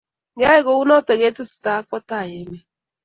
Keyai kounito kotesetai akwo tai emet